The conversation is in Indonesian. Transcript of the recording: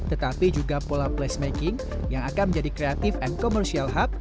tetapi juga pola place making yang akan menjadi kreatif and commercial hub